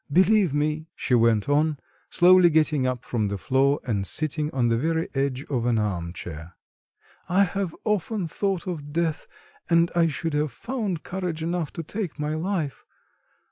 Believe me," she went on, slowly getting up from the floor and sitting on the very edge of an arm chair, "I have often thought of death, and I should have found courage enough to take my life...